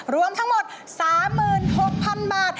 รวมทั้งหมด๓๖๐๐๐บาท